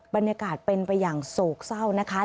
บรรยากาศเป็นไปอย่างโศกเศร้านะคะ